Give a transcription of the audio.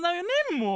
もう！